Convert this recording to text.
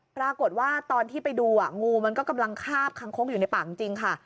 ปรากฏว่าที่ไปดูอ่ะงูมันก็กำลังคาบคังคกอยู่ในปากจริงค่ะ